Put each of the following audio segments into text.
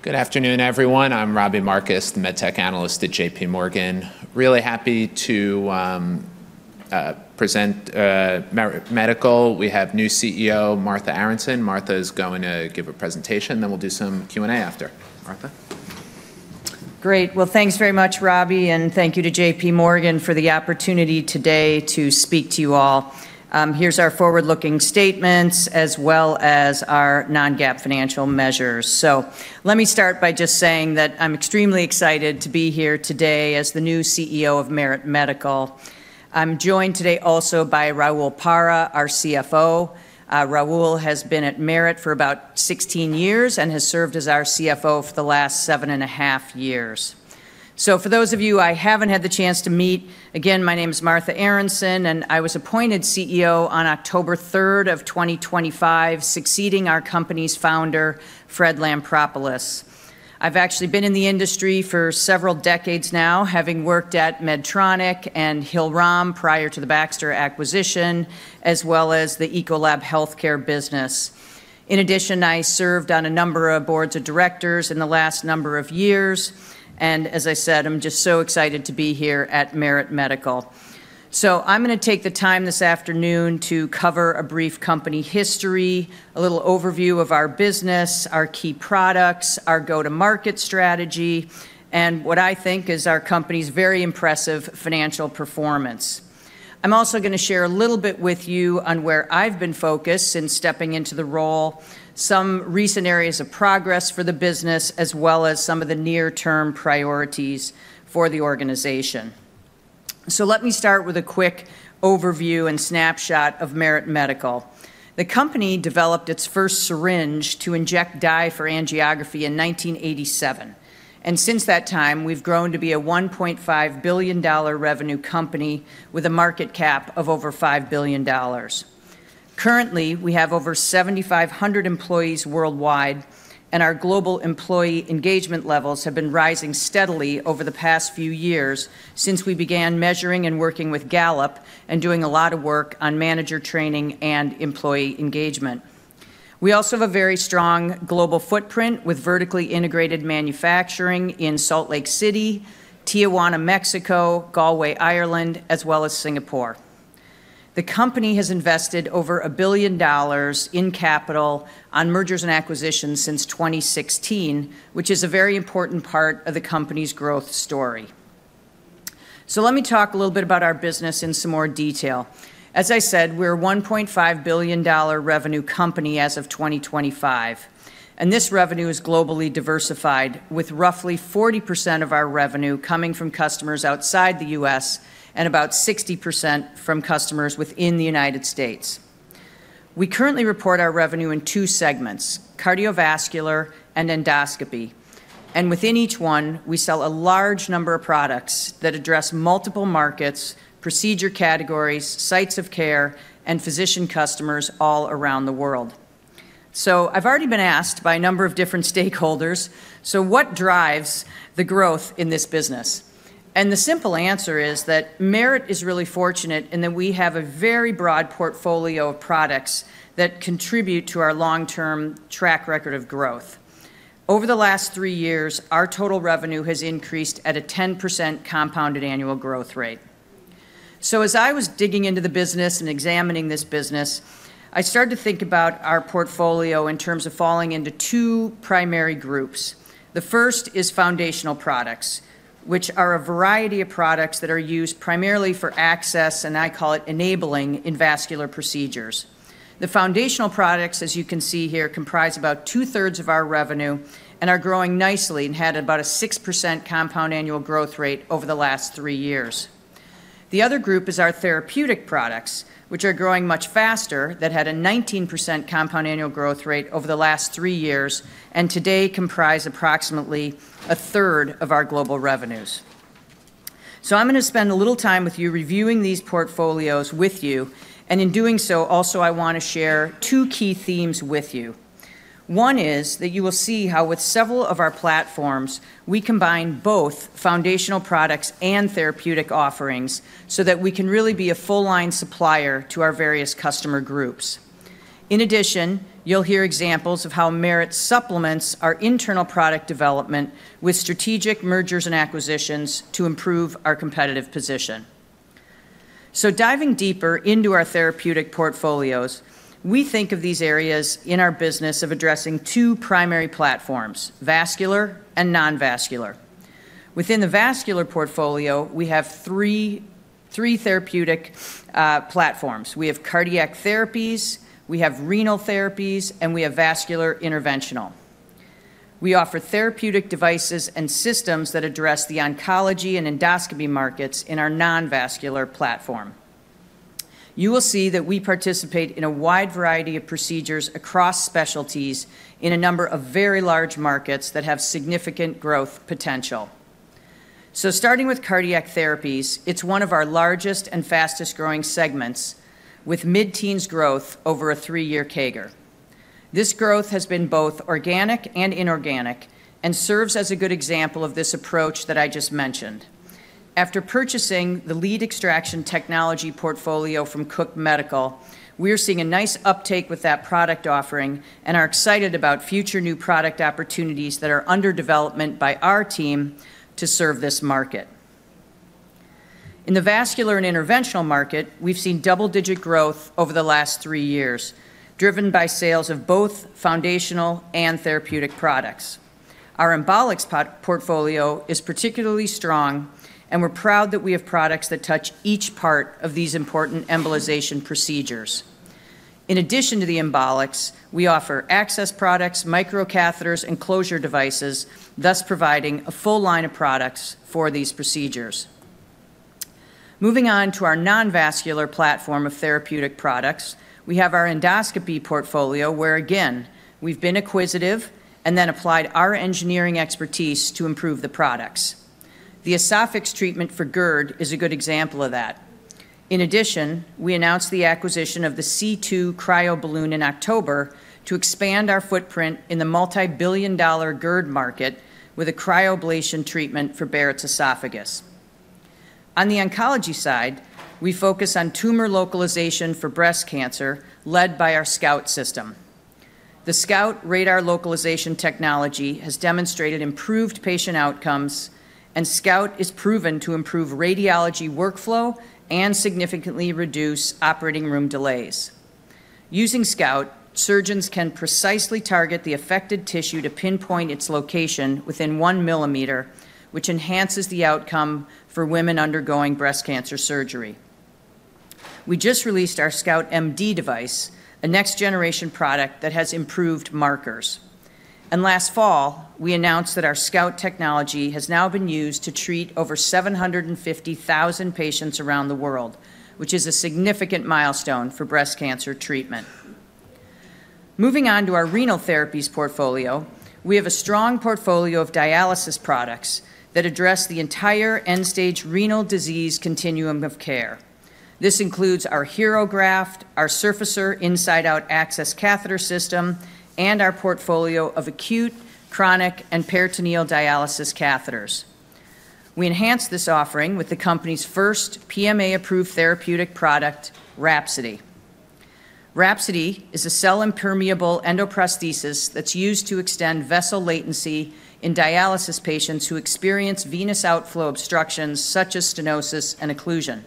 Good afternoon, everyone. I'm Robbie Marcus, the MedTech analyst at J.P. Morgan. Really happy to present Merit Medical. We have new CEO, Martha Aronson. Martha is going to give a presentation, then we'll do some Q&A after. Martha? Great. Well, thanks very much, Robbie, and thank you to J.P. Morgan for the opportunity today to speak to you all. Here's our forward-looking statements, as well as our non-GAAP financial measures. So let me start by just saying that I'm extremely excited to be here today as the new CEO of Merit Medical. I'm joined today also by Raul Parra, our CFO. Raul has been at Merit for about 16 years and has served as our CFO for the last seven and a half years. So for those of you I haven't had the chance to meet, again, my name is Martha Aronson, and I was appointed CEO on October 3, 2025, succeeding our company's founder, Fred Lampropoulos. I've actually been in the industry for several decades now, having worked at Medtronic and Hillrom prior to the Baxter acquisition, as well as the Ecolab healthcare business. In addition, I served on a number of boards of directors in the last number of years, and as I said, I'm just so excited to be here at Merit Medical, so I'm going to take the time this afternoon to cover a brief company history, a little overview of our business, our key products, our go-to-market strategy, and what I think is our company's very impressive financial performance. I'm also going to share a little bit with you on where I've been focused since stepping into the role, some recent areas of progress for the business, as well as some of the near-term priorities for the organization, so let me start with a quick overview and snapshot of Merit Medical. The company developed its first syringe to inject dye for angiography in 1987. Since that time, we've grown to be a $1.5 billion revenue company with a market cap of over $5 billion. Currently, we have over 7,500 employees worldwide, and our global employee engagement levels have been rising steadily over the past few years since we began measuring and working with Gallup and doing a lot of work on manager training and employee engagement. We also have a very strong global footprint with vertically integrated manufacturing in Salt Lake City, Tijuana, Mexico, Galway, Ireland, as well as Singapore. The company has invested over $1 billion in capital on mergers and acquisitions since 2016, which is a very important part of the company's growth story. Let me talk a little bit about our business in some more detail. As I said, we're a $1.5 billion revenue company as of 2025. This revenue is globally diversified, with roughly 40% of our revenue coming from customers outside the U.S. and about 60% from customers within the United States. We currently report our revenue in two segments: cardiovascular and endoscopy. Within each one, we sell a large number of products that address multiple markets, procedure categories, sites of care, and physician customers all around the world. I've already been asked by a number of different stakeholders, so what drives the growth in this business? The simple answer is that Merit is really fortunate in that we have a very broad portfolio of products that contribute to our long-term track record of growth. Over the last three years, our total revenue has increased at a 10% compounded annual growth rate. So as I was digging into the business and examining this business, I started to think about our portfolio in terms of falling into two primary groups. The first is foundational products, which are a variety of products that are used primarily for access, and I call it enabling, in vascular procedures. The foundational products, as you can see here, comprise about two-thirds of our revenue and are growing nicely and had about a 6% compound annual growth rate over the last three years. The other group is our therapeutic products, which are growing much faster, that had a 19% compound annual growth rate over the last three years and today comprise approximately a third of our global revenues. So I'm going to spend a little time with you reviewing these portfolios with you. And in doing so, also, I want to share two key themes with you. One is that you will see how with several of our platforms, we combine both foundational products and therapeutic offerings so that we can really be a full-line supplier to our various customer groups. In addition, you'll hear examples of how Merit supplements our internal product development with strategic mergers and acquisitions to improve our competitive position. So diving deeper into our therapeutic portfolios, we think of these areas in our business of addressing two primary platforms: vascular and non-vascular. Within the vascular portfolio, we have three therapeutic platforms. We have cardiac therapies, we have renal therapies, and we have vascular interventional. We offer therapeutic devices and systems that address the oncology and endoscopy markets in our non-vascular platform. You will see that we participate in a wide variety of procedures across specialties in a number of very large markets that have significant growth potential. So starting with cardiac therapies, it's one of our largest and fastest-growing segments, with mid-teens growth over a three-year CAGR. This growth has been both organic and inorganic and serves as a good example of this approach that I just mentioned. After purchasing the lead extraction technology portfolio from Cook Medical, we are seeing a nice uptake with that product offering and are excited about future new product opportunities that are under development by our team to serve this market. In the vascular and interventional market, we've seen double-digit growth over the last three years, driven by sales of both foundational and therapeutic products. Our embolics portfolio is particularly strong, and we're proud that we have products that touch each part of these important embolization procedures. In addition to the embolics, we offer access products, microcatheters, and closure devices, thus providing a full line of products for these procedures. Moving on to our non-vascular platform of therapeutic products, we have our endoscopy portfolio where, again, we've been acquisitive and then applied our engineering expertise to improve the products. The esophagus treatment for GERD is a good example of that. In addition, we announced the acquisition of the C2 CryoBalloon in October to expand our footprint in the multi-billion-dollar GERD market with a cryoablation treatment for Barrett's esophagus. On the oncology side, we focus on tumor localization for breast cancer led by our SCOUT system. The SCOUT radar localization technology has demonstrated improved patient outcomes, and SCOUT is proven to improve radiology workflow and significantly reduce operating room delays. Using SCOUT, surgeons can precisely target the affected tissue to pinpoint its location within one millimeter, which enhances the outcome for women undergoing breast cancer surgery. We just released our SCOUT MD device, a next-generation product that has improved markers. And last fall, we announced that our SCOUT technology has now been used to treat over 750,000 patients around the world, which is a significant milestone for breast cancer treatment. Moving on to our renal therapies portfolio, we have a strong portfolio of dialysis products that address the entire end-stage renal disease continuum of care. This includes our HeRO Graft, our Surfacer Inside-Out Access Catheter System, and our portfolio of acute, chronic, and peritoneal dialysis catheters. We enhanced this offering with the company's first PMA-approved therapeutic product, WRAPSODY. WRAPSODY is a cell-impermeable endoprosthesis that's used to extend vessel patency in dialysis patients who experience venous outflow obstructions such as stenosis and occlusion.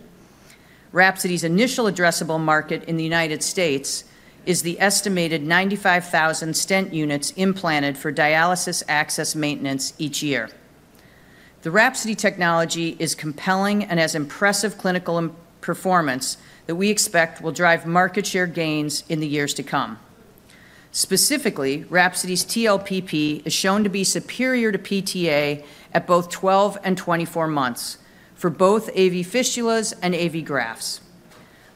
WRAPSODY's initial addressable market in the United States is the estimated 95,000 stent units implanted for dialysis access maintenance each year. The WRAPSODY technology is compelling and has impressive clinical performance that we expect will drive market share gains in the years to come. Specifically, WRAPSODY's TLPP is shown to be superior to PTA at both 12 and 24 months for both AV fistulas and AV grafts.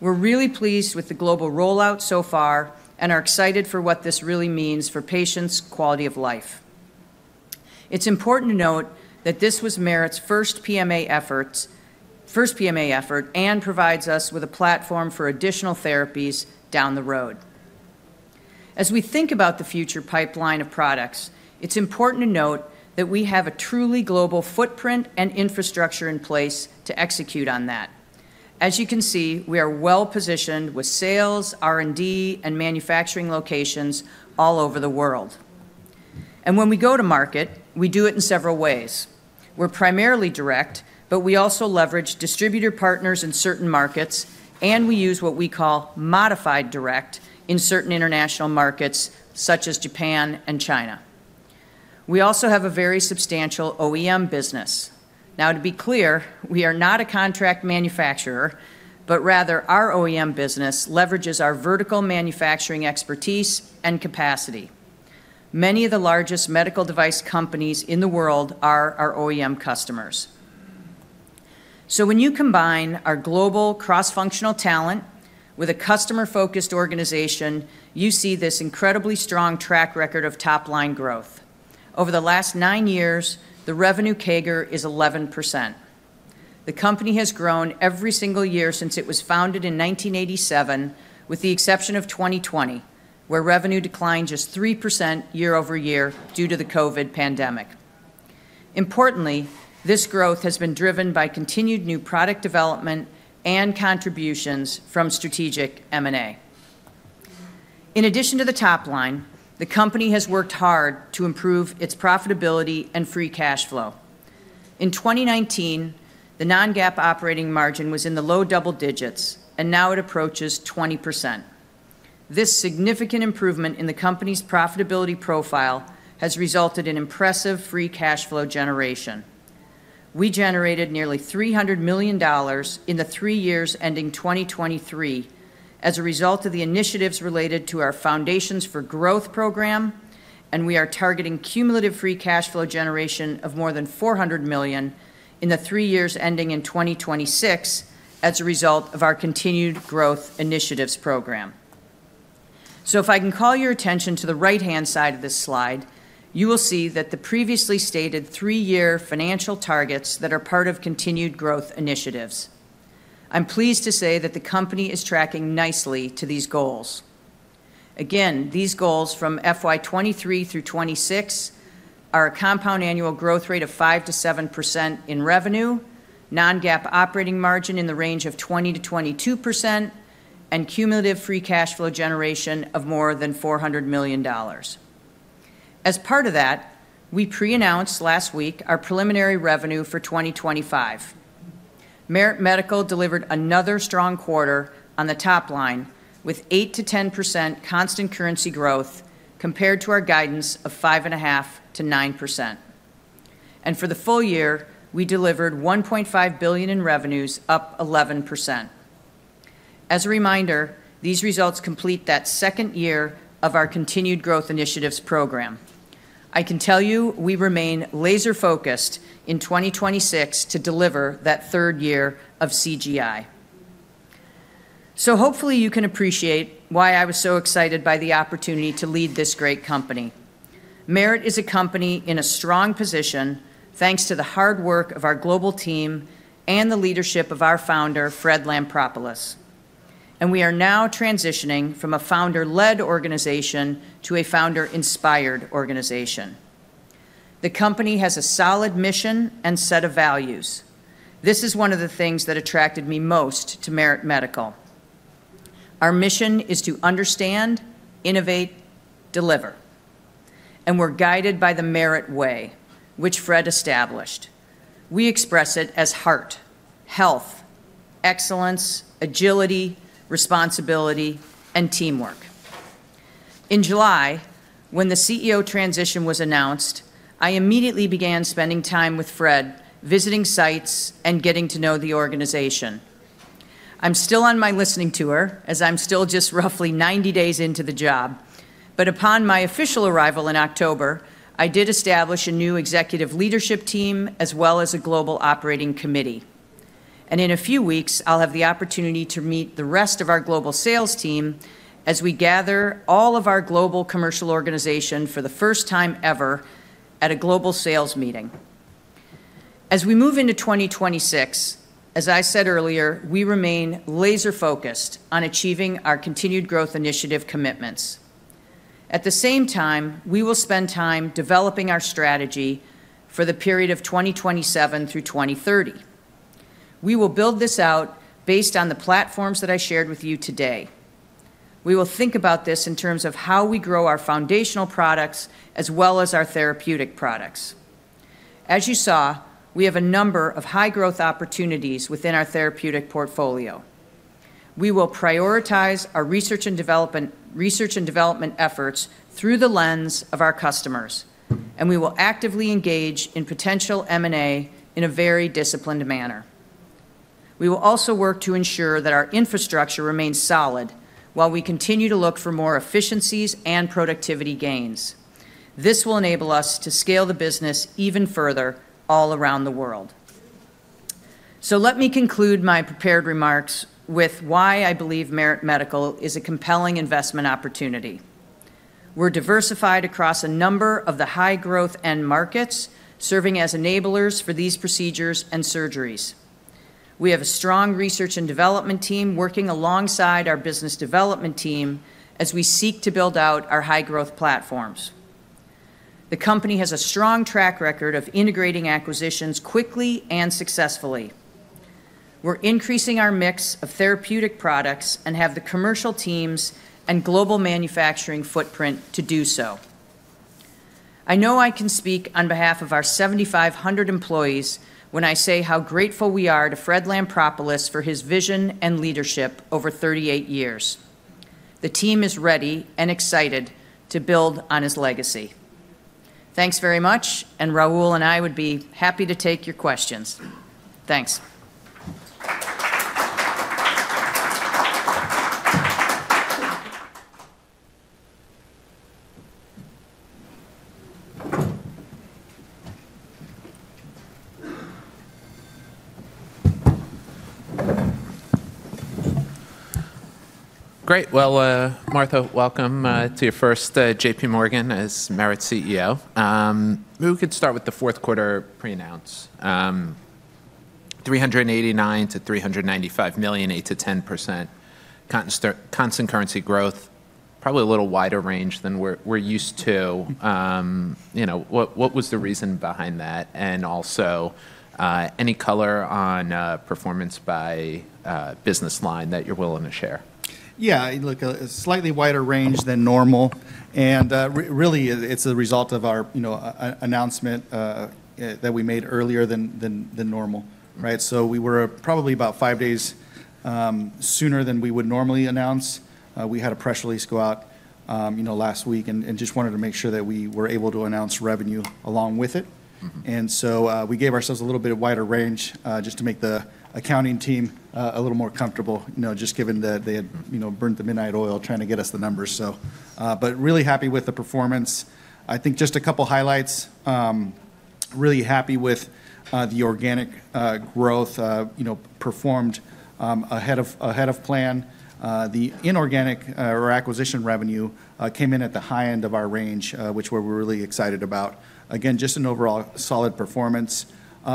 We're really pleased with the global rollout so far and are excited for what this really means for patients' quality of life. It's important to note that this was Merit's first PMA effort and provides us with a platform for additional therapies down the road. As we think about the future pipeline of products, it's important to note that we have a truly global footprint and infrastructure in place to execute on that. As you can see, we are well-positioned with sales, R&D, and manufacturing locations all over the world, and when we go to market, we do it in several ways. We're primarily direct, but we also leverage distributor partners in certain markets, and we use what we call modified direct in certain international markets such as Japan and China. We also have a very substantial OEM business. Now, to be clear, we are not a contract manufacturer, but rather our OEM business leverages our vertical manufacturing expertise and capacity. Many of the largest medical device companies in the world are our OEM customers. So when you combine our global cross-functional talent with a customer-focused organization, you see this incredibly strong track record of top-line growth. Over the last nine years, the revenue CAGR is 11%. The company has grown every single year since it was founded in 1987, with the exception of 2020, where revenue declined just 3% year over year due to the COVID pandemic. Importantly, this growth has been driven by continued new product development and contributions from strategic M&A. In addition to the top line, the company has worked hard to improve its profitability and free cash flow. In 2019, the non-GAAP operating margin was in the low double digits, and now it approaches 20%. This significant improvement in the company's profitability profile has resulted in impressive free cash flow generation. We generated nearly $300 million in the three years ending 2023 as a result of the initiatives related to our Foundations for Growth program, and we are targeting cumulative free cash flow generation of more than $400 million in the three years ending in 2026 as a result of our Continued Growth Initiatives program. So if I can call your attention to the right-hand side of this slide, you will see that the previously stated three-year financial targets that are part of Continued Growth Initiatives. I'm pleased to say that the company is tracking nicely to these goals. Again, these goals from FY23 through 2026 are a compound annual growth rate of 5%-7% in revenue, non-GAAP operating margin in the range of 20%-22%, and cumulative free cash flow generation of more than $400 million. As part of that, we pre-announced last week our preliminary revenue for 2025. Merit Medical delivered another strong quarter on the top line with 8%-10% constant currency growth compared to our guidance of 5.5%-9%. And for the full year, we delivered $1.5 billion in revenues, up 11%. As a reminder, these results complete that second year of our Continued Growth Initiatives program. I can tell you we remain laser-focused in 2026 to deliver that third year of CGI, so hopefully you can appreciate why I was so excited by the opportunity to lead this great company. Merit is a company in a strong position thanks to the hard work of our global team and the leadership of our founder, Fred Lampropoulos, and we are now transitioning from a founder-led organization to a founder-inspired organization. The company has a solid mission and set of values. This is one of the things that attracted me most to Merit Medical. Our mission is to understand, innovate, deliver, and we're guided by the Merit Way, which Fred established. We express it as heart, health, excellence, agility, responsibility, and teamwork. In July, when the CEO transition was announced, I immediately began spending time with Fred, visiting sites, and getting to know the organization. I'm still on my listening tour as I'm still just roughly 90 days into the job. But upon my official arrival in October, I did establish a new executive leadership team as well as a global operating committee. And in a few weeks, I'll have the opportunity to meet the rest of our global sales team as we gather all of our global commercial organization for the first time ever at a global sales meeting. As we move into 2026, as I said earlier, we remain laser-focused on achieving our Continued Growth Initiative commitments. At the same time, we will spend time developing our strategy for the period of 2027 through 2030. We will build this out based on the platforms that I shared with you today. We will think about this in terms of how we grow our foundational products as well as our therapeutic products. As you saw, we have a number of high-growth opportunities within our therapeutic portfolio. We will prioritize our research and development efforts through the lens of our customers, and we will actively engage in potential M&A in a very disciplined manner. We will also work to ensure that our infrastructure remains solid while we continue to look for more efficiencies and productivity gains. This will enable us to scale the business even further all around the world. So let me conclude my prepared remarks with why I believe Merit Medical is a compelling investment opportunity. We're diversified across a number of the high-growth end markets, serving as enablers for these procedures and surgeries. We have a strong research and development team working alongside our business development team as we seek to build out our high-growth platforms. The company has a strong track record of integrating acquisitions quickly and successfully. We're increasing our mix of therapeutic products and have the commercial teams and global manufacturing footprint to do so. I know I can speak on behalf of our 7,500 employees when I say how grateful we are to Fred Lampropoulos for his vision and leadership over 38 years. The team is ready and excited to build on his legacy. Thanks very much, and Raul and I would be happy to take your questions. Thanks. Great. Well, Martha, welcome to your first JPMorgan as Merit CEO. Maybe we could start with the fourth quarter pre-announced. $389 million-$395 million, 8%-10% constant currency growth, probably a little wider range than we're used to. What was the reason behind that? And also any color on performance by business line that you're willing to share? Yeah, look, a slightly wider range than normal. And really, it's a result of our announcement that we made earlier than normal. So we were probably about five days sooner than we would normally announce. We had a press release go out last week and just wanted to make sure that we were able to announce revenue along with it. And so we gave ourselves a little bit of wider range just to make the accounting team a little more comfortable, just given that they had burnt the midnight oil trying to get us the numbers. But really happy with the performance. I think just a couple of highlights. Really happy with the organic growth performed ahead of plan. The inorganic or acquisition revenue came in at the high end of our range, which we're really excited about. Again, just an overall solid performance,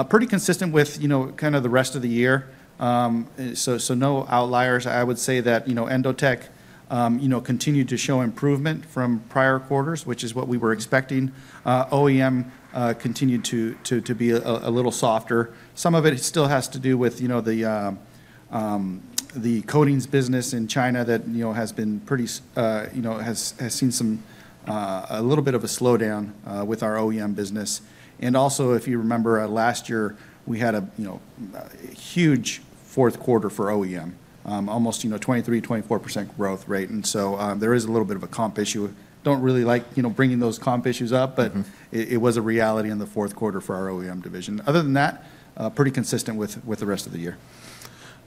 pretty consistent with kind of the rest of the year. So no outliers. I would say that Endotek continued to show improvement from prior quarters, which is what we were expecting. OEM continued to be a little softer. Some of it still has to do with the coatings business in China that has been pretty, has seen a little bit of a slowdown with our OEM business. And also, if you remember, last year, we had a huge fourth quarter for OEM, almost 23%-24% growth rate. And so there is a little bit of a comp issue. Don't really like bringing those comp issues up, but it was a reality in the fourth quarter for our OEM division. Other than that, pretty consistent with the rest of the year.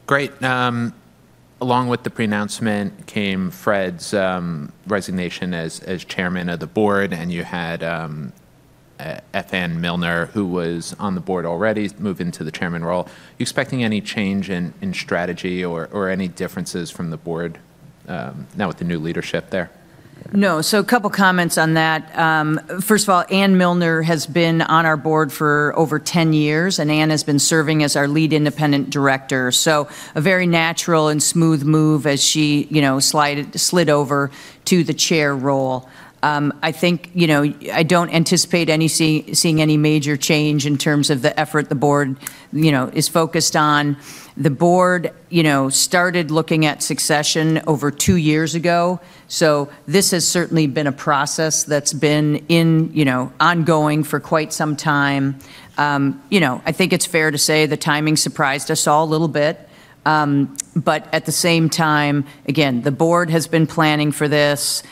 Great. Along with the pre-announcement came Fred's resignation as chairman of the board, and you had F. Ann Millner, who was on the board already, move into the chairman role. You expecting any change in strategy or any differences from the board now with the new leadership there? No. So a couple of comments on that. First of all, Ann Millner has been on our board for over 10 years, and Anne has been serving as our lead independent director. So a very natural and smooth move as she slid over to the chair role. I think I don't anticipate seeing any major change in terms of the effort the board is focused on. The board started looking at succession over two years ago. So this has certainly been a process that's been ongoing for quite some time. I think it's fair to say the timing surprised us all a little bit. But at the same time, again, the board has been planning for this.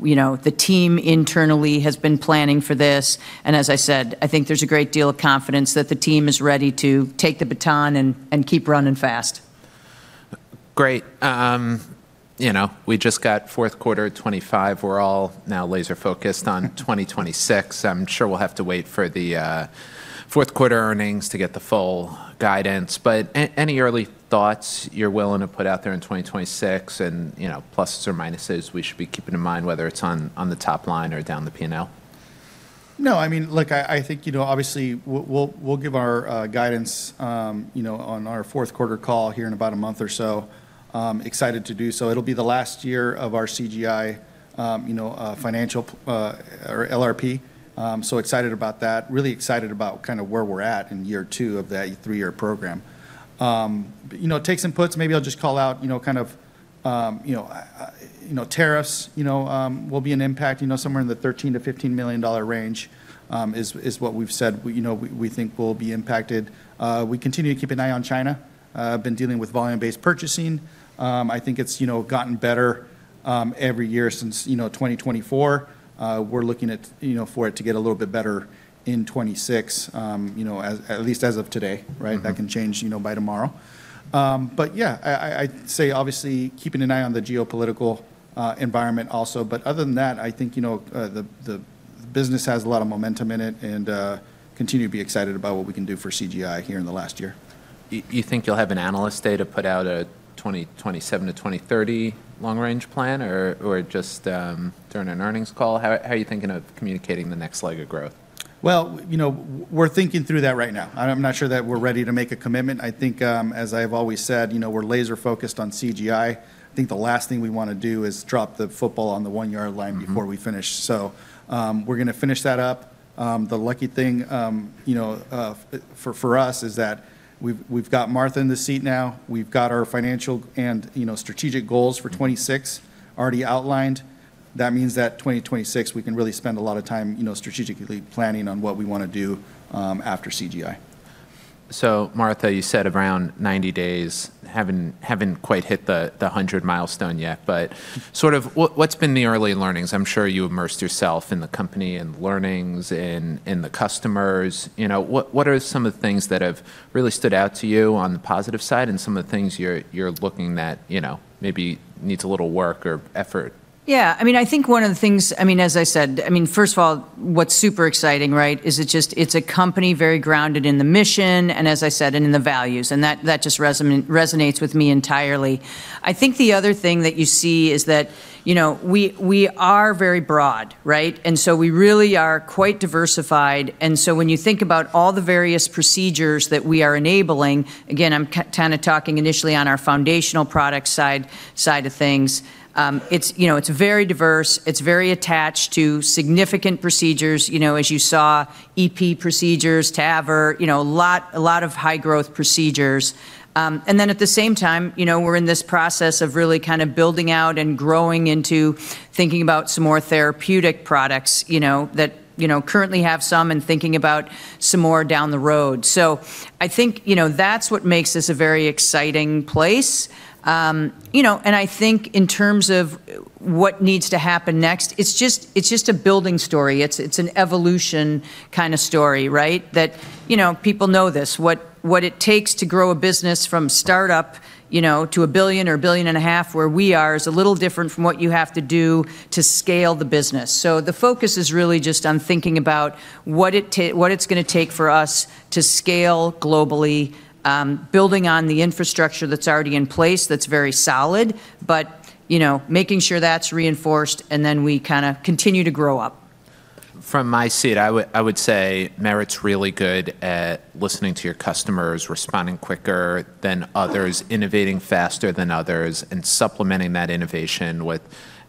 The team internally has been planning for this. And as I said, I think there's a great deal of confidence that the team is ready to take the baton and keep running fast. Great. We just got fourth quarter 2025. We're all now laser-focused on 2026. I'm sure we'll have to wait for the fourth quarter earnings to get the full guidance. But any early thoughts you're willing to put out there in 2026 and pluses or minuses we should be keeping in mind, whether it's on the top line or down the P&L? No, I mean, look, I think obviously we'll give our guidance on our fourth quarter call here in about a month or so. Excited to do so. It'll be the last year of our CGI financial or LRP. So excited about that. Really excited about kind of where we're at in year two of that three-year program. Take some puts. Maybe I'll just call out kind of tariffs will be an impact. Somewhere in the $13-$15 million range is what we've said we think will be impacted. We continue to keep an eye on China. I've been dealing with volume-based purchasing. I think it's gotten better every year since 2024. We're looking for it to get a little bit better in 2026, at least as of today. That can change by tomorrow. But yeah, I'd say obviously keeping an eye on the geopolitical environment also. But other than that, I think the business has a lot of momentum in it and continue to be excited about what we can do for CGI here in the last year. You think you'll have an analyst day to put out a 2027-2030 long-range plan or just during an earnings call? How are you thinking of communicating the next leg of growth? We're thinking through that right now. I'm not sure that we're ready to make a commitment. I think, as I have always said, we're laser-focused on CGI. I think the last thing we want to do is drop the football on the one-yard line before we finish. So we're going to finish that up. The lucky thing for us is that we've got Martha in the seat now. We've got our financial and strategic goals for 2026 already outlined. That means that 2026, we can really spend a lot of time strategically planning on what we want to do after CGI. So, Martha, you said around 90 days, haven't quite hit the 100 milestone yet. But sort of what's been the early learnings? I'm sure you immersed yourself in the company and learnings and the customers. What are some of the things that have really stood out to you on the positive side and some of the things you're looking that maybe needs a little work or effort? Yeah. I mean, I think one of the things, I mean, as I said, I mean, first of all, what's super exciting is it's a company very grounded in the mission and, as I said, in the values. And that just resonates with me entirely. I think the other thing that you see is that we are very broad. And so we really are quite diversified. And so when you think about all the various procedures that we are enabling, again, I'm kind of talking initially on our foundational product side of things. It's very diverse. It's very attached to significant procedures, as you saw, EP procedures, TAVR, a lot of high-growth procedures. And then at the same time, we're in this process of really kind of building out and growing into thinking about some more therapeutic products that currently have some and thinking about some more down the road. I think that's what makes this a very exciting place. I think in terms of what needs to happen next, it's just a building story. It's an evolution kind of story. That people know this. What it takes to grow a business from startup to a billion or a billion and a half where we are is a little different from what you have to do to scale the business. The focus is really just on thinking about what it's going to take for us to scale globally, building on the infrastructure that's already in place that's very solid, but making sure that's reinforced, and then we kind of continue to grow up. From my seat, I would say Merit's really good at listening to your customers, responding quicker than others, innovating faster than others, and supplementing that innovation with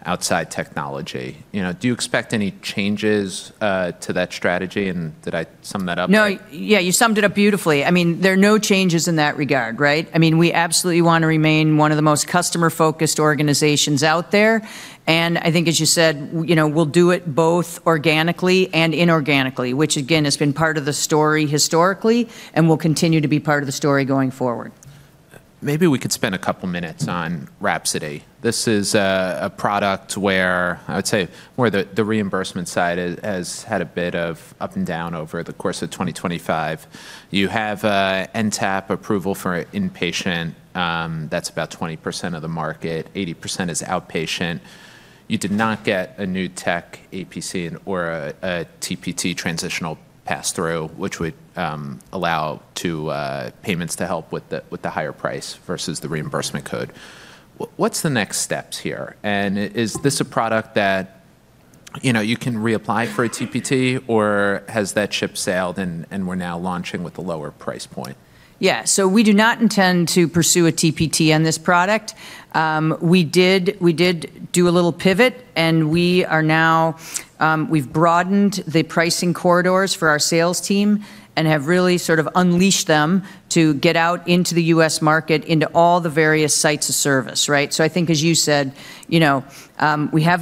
outside technology. Do you expect any changes to that strategy? And did I sum that up? No. Yeah, you summed it up beautifully. I mean, there are no changes in that regard. I mean, we absolutely want to remain one of the most customer-focused organizations out there. And I think, as you said, we'll do it both organically and inorganically, which, again, has been part of the story historically and will continue to be part of the story going forward. Maybe we could spend a couple of minutes on WRAPSODY. This is a product where, I would say, more the reimbursement side has had a bit of up and down over the course of 2025. You have NTAP approval for inpatient. That's about 20% of the market. 80% is outpatient. You did not get a new tech APC or a TPT transitional pass-through, which would allow payments to help with the higher price versus the reimbursement code. What's the next steps here? And is this a product that you can reapply for a TPT, or has that ship sailed and we're now launching with a lower price point? Yeah. So we do not intend to pursue a TPT on this product. We did do a little pivot, and we've broadened the pricing corridors for our sales team and have really sort of unleashed them to get out into the US market, into all the various sites of service. So I think, as you said, we have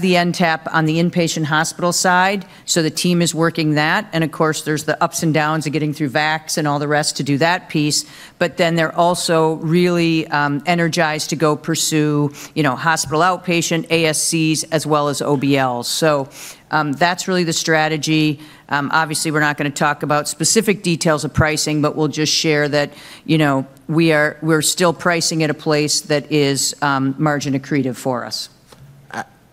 the NTAP on the inpatient hospital side. The team is working that. And of course, there's the ups and downs of getting through VACs and all the rest to do that piece. But then they're also really energized to go pursue hospital outpatient, ASCs, as well as OBLs. That's really the strategy. Obviously, we're not going to talk about specific details of pricing, but we'll just share that we're still pricing at a place that is margin accretive for us.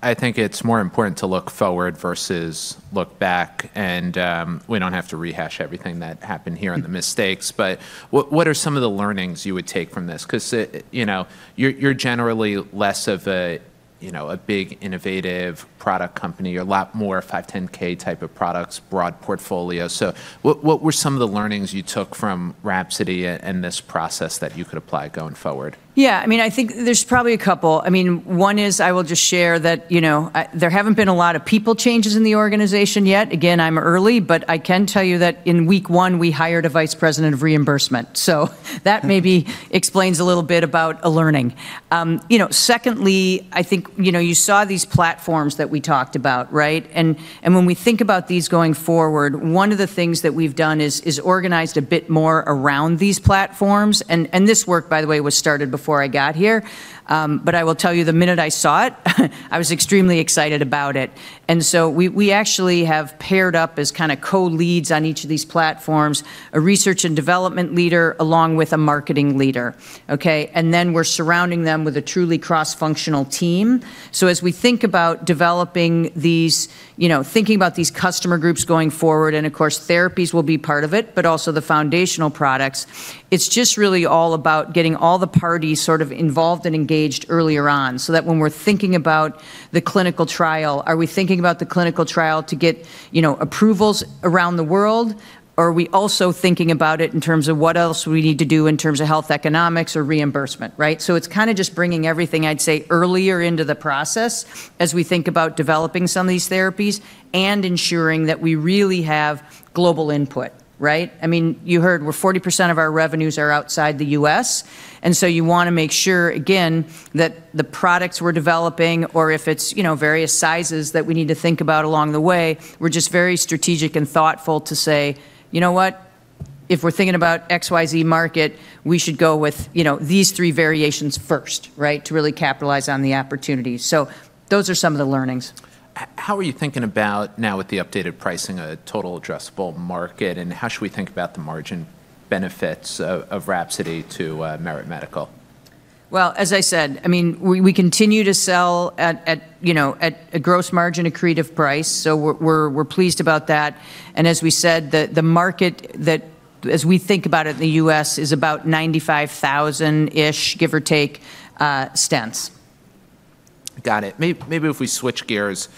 I think it's more important to look forward versus look back, and we don't have to rehash everything that happened here on the mistakes, but what are some of the learnings you would take from this? Because you're generally less of a big innovative product company. You're a lot more 510(k) type of products, broad portfolio. So what were some of the learnings you took from WRAPSODY and this process that you could apply going forward? Yeah. I mean, I think there's probably a couple. I mean, one is I will just share that there haven't been a lot of people changes in the organization yet. Again, I'm early, but I can tell you that in week one, we hired a vice president of reimbursement. So that maybe explains a little bit about a learning. Secondly, I think you saw these platforms that we talked about. And when we think about these going forward, one of the things that we've done is organized a bit more around these platforms. And this work, by the way, was started before I got here. But I will tell you, the minute I saw it, I was extremely excited about it. And so we actually have paired up as kind of co-leads on each of these platforms, a research and development leader along with a marketing leader. And then we're surrounding them with a truly cross-functional team. So as we think about developing, thinking about these customer groups going forward, and of course, therapies will be part of it, but also the foundational products, it's just really all about getting all the parties sort of involved and engaged earlier on so that when we're thinking about the clinical trial, are we thinking about the clinical trial to get approvals around the world, or are we also thinking about it in terms of what else we need to do in terms of health economics or reimbursement? So it's kind of just bringing everything, I'd say, earlier into the process as we think about developing some of these therapies and ensuring that we really have global input. I mean, you heard we're 40% of our revenues are outside the U.S. And so you want to make sure, again, that the products we're developing or if it's various sizes that we need to think about along the way, we're just very strategic and thoughtful to say, "You know what? If we're thinking about XYZ market, we should go with these three variations first to really capitalize on the opportunity." So those are some of the learnings. How are you thinking about now with the updated pricing, a total addressable market, and how should we think about the margin benefits of WRAPSODY to Merit Medical? As I said, I mean, we continue to sell at a gross margin accretive price, so we're pleased about that, and as we said, the market, as we think about it in the U.S., is about 95,000-ish, give or take, stents. Got it. Maybe if we switch gears,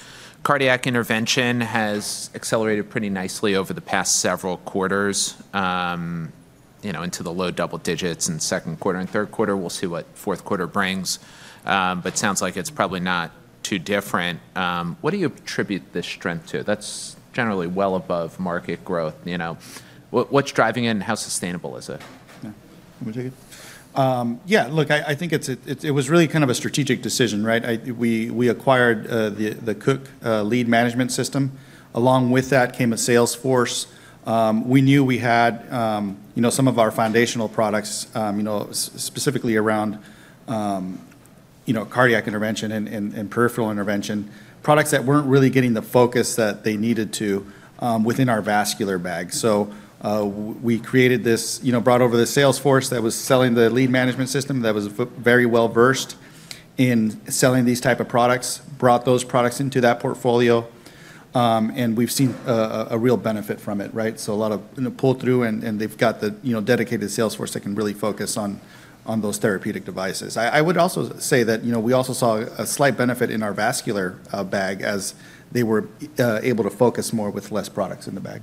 cardiac intervention has accelerated pretty nicely over the past several quarters into the low double digits in second quarter and third quarter. We'll see what fourth quarter brings. But it sounds like it's probably not too different. What do you attribute this strength to? That's generally well above market growth. What's driving it and how sustainable is it? Yeah. I think it was really kind of a strategic decision. We acquired the Cook lead management system. Along with that came a sales force. We knew we had some of our foundational products, specifically around cardiac intervention and peripheral intervention, products that weren't really getting the focus that they needed to within our vascular bag. So we brought over the sales force that was selling the lead management system that was very well versed in selling these type of products, brought those products into that portfolio, and we've seen a real benefit from it. So a lot of pull-through, and they've got the dedicated sales force that can really focus on those therapeutic devices. I would also say that we also saw a slight benefit in our vascular bag as they were able to focus more with less products in the bag.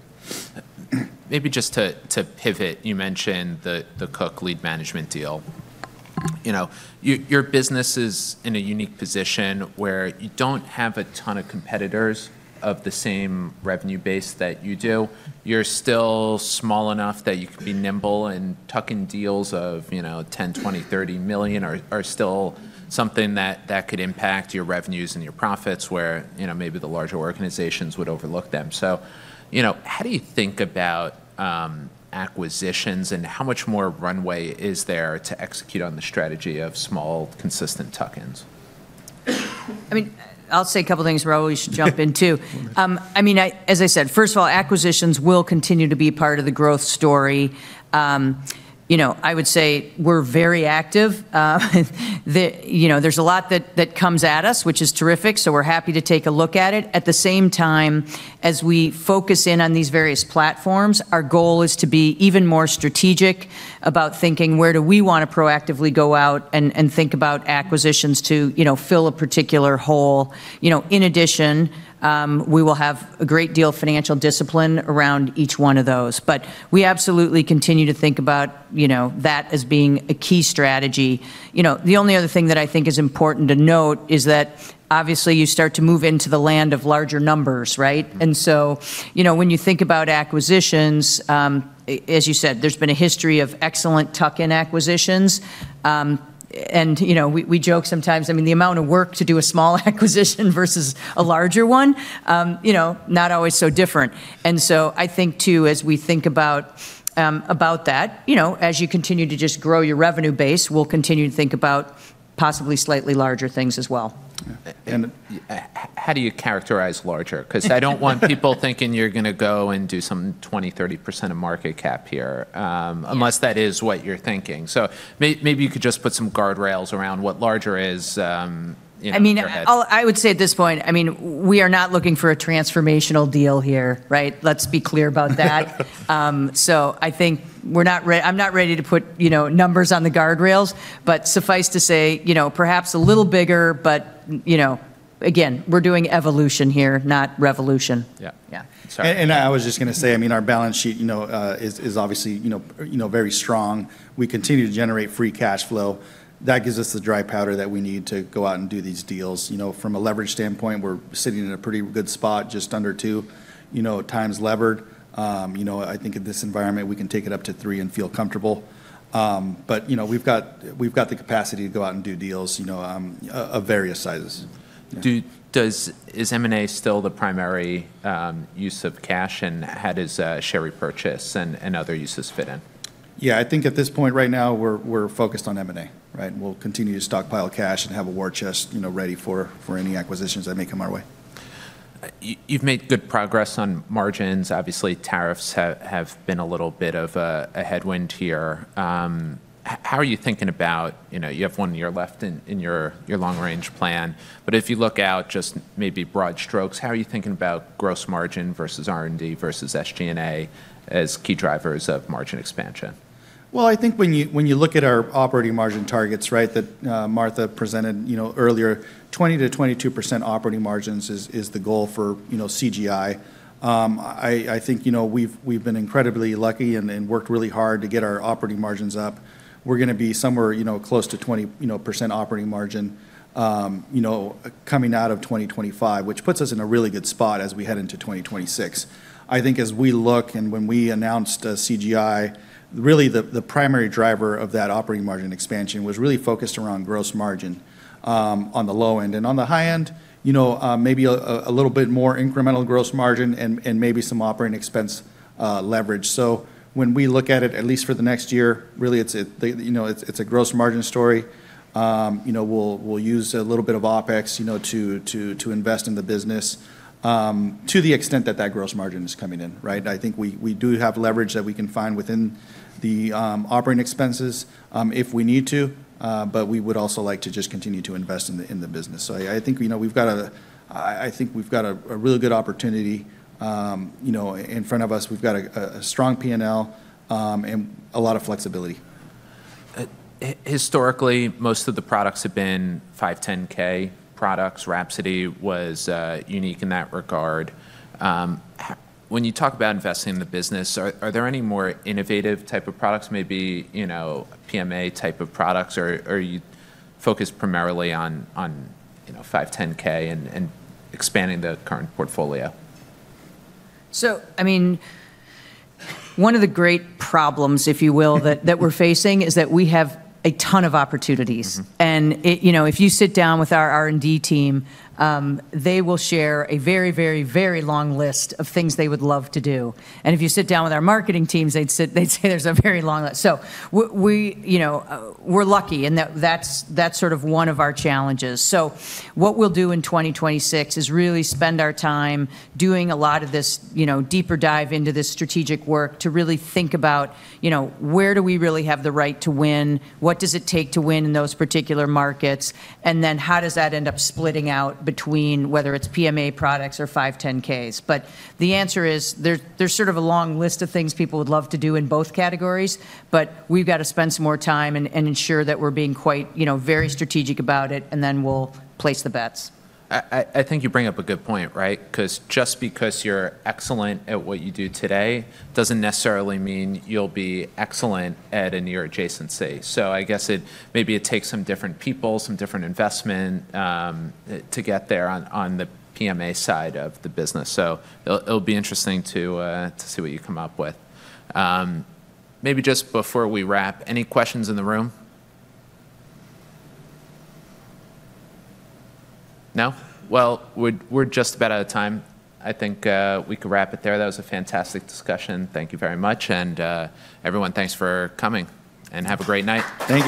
Maybe just to pivot, you mentioned the Cook lead management deal. Your business is in a unique position where you don't have a ton of competitors of the same revenue base that you do. You're still small enough that you can be nimble in tucking deals of $10 million, $20 million, $30 million or still something that could impact your revenues and your profits where maybe the larger organizations would overlook them. So how do you think about acquisitions and how much more runway is there to execute on the strategy of small, consistent tuck-ins? I mean, I'll say a couple of things before we always jump into. I mean, as I said, first of all, acquisitions will continue to be part of the growth story. I would say we're very active. There's a lot that comes at us, which is terrific. So we're happy to take a look at it. At the same time, as we focus in on these various platforms, our goal is to be even more strategic about thinking where do we want to proactively go out and think about acquisitions to fill a particular hole. In addition, we will have a great deal of financial discipline around each one of those. But we absolutely continue to think about that as being a key strategy. The only other thing that I think is important to note is that, obviously, you start to move into the land of larger numbers. And so when you think about acquisitions, as you said, there's been a history of excellent tuck-in acquisitions. And we joke sometimes, I mean, the amount of work to do a small acquisition versus a larger one, not always so different. And so I think, too, as we think about that, as you continue to just grow your revenue base, we'll continue to think about possibly slightly larger things as well. And how do you characterize larger? Because I don't want people thinking you're going to go and do some 20%-30% of market cap here unless that is what you're thinking. So maybe you could just put some guardrails around what larger is. I mean, I would say at this point, I mean, we are not looking for a transformational deal here. Let's be clear about that. So I think I'm not ready to put numbers on the guardrails, but suffice to say, perhaps a little bigger. But again, we're doing evolution here, not revolution. Yeah. I was just going to say, I mean, our balance sheet is obviously very strong. We continue to generate free cash flow. That gives us the dry powder that we need to go out and do these deals. From a leverage standpoint, we're sitting in a pretty good spot, just under two times levered. I think in this environment, we can take it up to three and feel comfortable. But we've got the capacity to go out and do deals of various sizes. Is M&A still the primary use of cash, and how does share repurchase and other uses fit in? Yeah. I think at this point right now, we're focused on M&A. We'll continue to stockpile cash and have a war chest ready for any acquisitions that may come our way. You've made good progress on margins. Obviously, tariffs have been a little bit of a headwind here. How are you thinking about you have one year left in your long-range plan. But if you look out just maybe broad strokes, how are you thinking about gross margin versus R&D versus SG&A as key drivers of margin expansion? I think when you look at our operating margin targets that Martha presented earlier, 20%-22% operating margins is the goal for CGI. I think we've been incredibly lucky and worked really hard to get our operating margins up. We're going to be somewhere close to 20% operating margin coming out of 2025, which puts us in a really good spot as we head into 2026. I think as we look and when we announced CGI, really the primary driver of that operating margin expansion was really focused around gross margin on the low end, and on the high end, maybe a little bit more incremental gross margin and maybe some operating expense leverage, so when we look at it, at least for the next year, really it's a gross margin story. We'll use a little bit of OpEx to invest in the business to the extent that that gross margin is coming in. I think we do have leverage that we can find within the operating expenses if we need to, but we would also like to just continue to invest in the business. So I think we've got a really good opportunity in front of us. We've got a strong P&L and a lot of flexibility. Historically, most of the products have been 510(k) products. WRAPSODY was unique in that regard. When you talk about investing in the business, are there any more innovative type of products, maybe PMA type of products, or are you focused primarily on 510(k) and expanding the current portfolio? So I mean, one of the great problems, if you will, that we're facing is that we have a ton of opportunities. And if you sit down with our R&D team, they will share a very, very, very long list of things they would love to do. And if you sit down with our marketing teams, they'd say there's a very long list. So we're lucky, and that's sort of one of our challenges. So what we'll do in 2026 is really spend our time doing a lot of this deeper dive into this strategic work to really think about where do we really have the right to win, what does it take to win in those particular markets, and then how does that end up splitting out between whether it's PMA products or 510(k)s. But the answer is there's sort of a long list of things people would love to do in both categories, but we've got to spend some more time and ensure that we're being very strategic about it, and then we'll place the bets. I think you bring up a good point, right? Because just because you're excellent at what you do today doesn't necessarily mean you'll be excellent at a near adjacent city. So I guess maybe it takes some different people, some different investment to get there on the PMA side of the business. So it'll be interesting to see what you come up with. Maybe just before we wrap, any questions in the room? No? Well, we're just about out of time. I think we could wrap it there. That was a fantastic discussion. Thank you very much, and everyone, thanks for coming, and have a great night. Thank you.